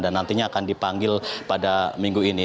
dan nantinya akan dipanggil pada minggu ini